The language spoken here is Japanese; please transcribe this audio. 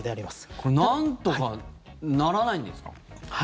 これなんとかならないんですか？